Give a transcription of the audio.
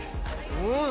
うん。